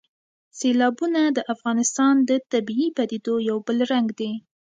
سیلابونه د افغانستان د طبیعي پدیدو یو بل رنګ دی.